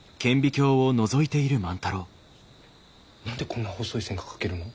何でこんな細い線が描けるの？